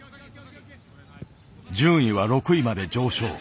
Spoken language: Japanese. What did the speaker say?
順位は６位まで上昇。